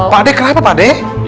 pak d kenapa pak d